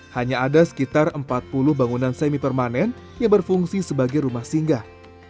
hanya ada sekitar empat puluh bangunan semi permanen yang berfungsi sebagai rumah singgah